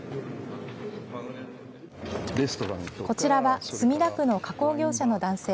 こちらは墨田区の加工業者の男性。